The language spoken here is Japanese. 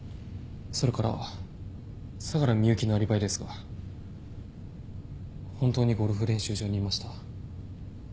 それから佐柄美幸のアリバイですが本当にゴルフ練習場にいました。